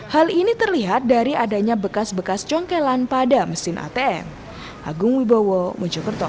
hal ini terlihat dari adanya bekas bekas congkelan pada mesin atm